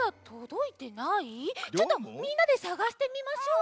ちょっとみんなでさがしてみましょう。